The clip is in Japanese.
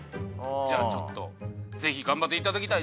じゃあちょっとぜひ頑張っていただきたい。